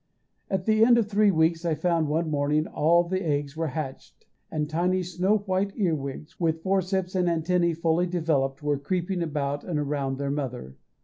At the end of three weeks I found one morning all the eggs were hatched, and tiny, snow white earwigs, with forceps and antennæ fully developed, were creeping about and around their mother.